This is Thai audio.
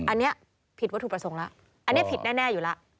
อันนี้ผิดวัตถุประสงค์แล้วอันนี้ผิดแน่อยู่แล้ว